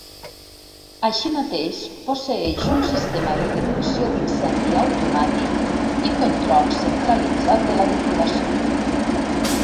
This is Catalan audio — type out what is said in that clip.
Així mateix posseeix un sistema de detecció d'incendi automàtic i control centralitzat de la ventilació.